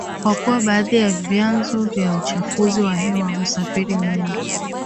Kwa kuwa baadhi ya vyanzo vya uchafuzi wa hewa husafiri mwendo